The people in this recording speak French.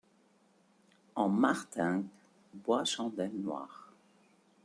En Martinqueː Bois-chandelle noir.